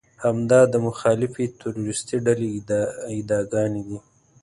همدا د مخالفې تروريستي ډلې ادعاګانې دي.